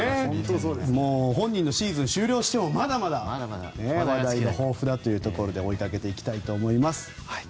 本人のシーズンが終了してもまだまだ話題が豊富だというところで追いかけていきたいと思います。